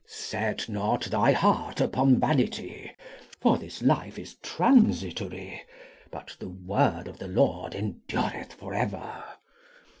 Set not thy heart upon vanity, for this life is transitory, but the Word of the Lord endureth for ever.